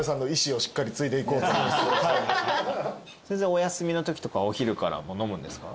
お休みのときとかはお昼から飲むんですか？